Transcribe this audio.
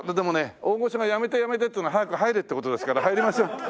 大御所が「やめてやめて」って言うのは「早く入れ」って事ですから入りましょう。